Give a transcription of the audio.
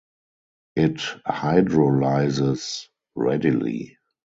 It hydrolyzes readily.